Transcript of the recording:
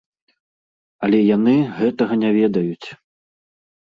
Але яны гэтага не ведаюць.